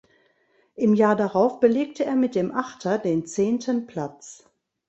Im Jahr darauf belegte er mit dem Achter den zehnten Platz.